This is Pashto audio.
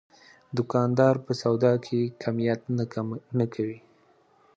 دوکاندار په سودا کې کمیت نه کوي.